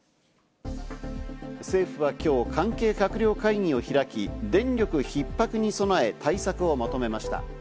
政府は今日、関係閣僚会議を開き、電力ひっ迫に備え、対策をまとめました。